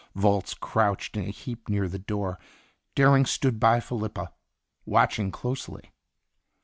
Volz crouched in a heap near the door. Dering stood by Felipa, watching closely.